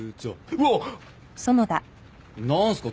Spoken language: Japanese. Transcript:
うわ！何すか？